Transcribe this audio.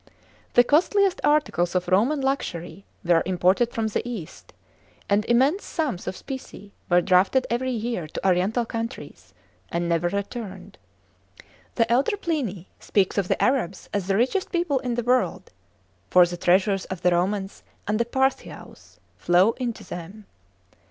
The costliest articles of Roman luxury were im ported from the east, and immense sums of specie were drafted every year to oriental countries, and never returned. The elder Pliny speaks of the Arabs as the richest people in the world, " for the treasures of the Romans and the Parthiaus flow in to them."